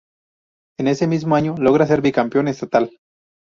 En ese mismo año logra ser bicampeón estatal.